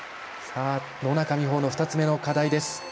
野中生萌の２つ目の課題です。